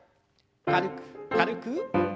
軽く軽く。